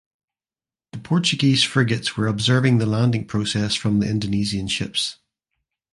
The Portuguese frigates were observing the landing process from the Indonesian ships.